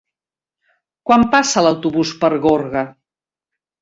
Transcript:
Quan passa l'autobús per Gorga?